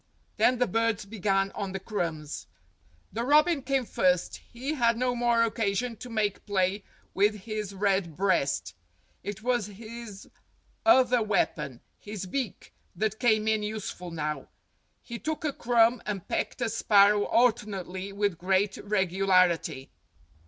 Then the birds began on the crumbs. The robin came first; he had no more occasion to make play with his red breast ; it was his other weapon, his beak, that came in useful now. He took a crumb and pecked a sparrow alternately with great regularity.